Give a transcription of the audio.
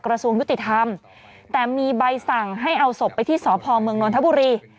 กระทรวงยุติธรรมแต่มีใบสั่งให้เอาศพไปที่สพเมืองนทบุรี